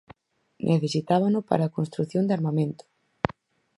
Necesitábano para a construción de armamento.